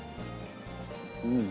うん。